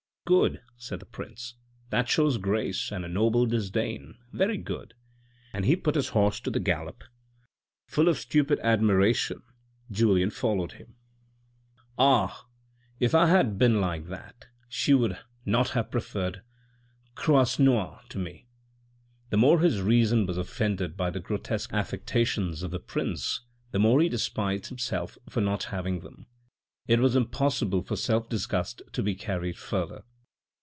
" Good," said the prince, " that shows grace and a noble disdain, very good !" And he put his horse to the gallop. Full of a stupid admiration, Julien followed him. " Ah ! if I have been like that, she would not have preferred Croisenois to me !" The more his reason was offended by the grotesque affectations of the prince the more he despised himself for not having them. It was impossible for self disgust to be carried further.